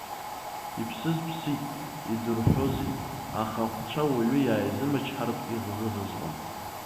Иԥсыз ԥсит, идурҳәози, аха ахәцәа уаҩы иааизымчҳартә иӷызыӷызуан.